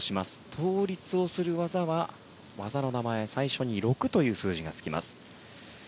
当率をする技は技の名前、最初に６という数字が付きます。